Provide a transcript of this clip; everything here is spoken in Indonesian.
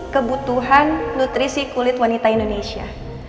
kebutuhan nutrisi kulit wanita indonesia